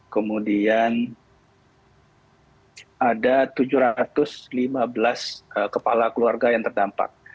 kemudian ada tujuh ratus lima belas kepala keluarga yang terdampak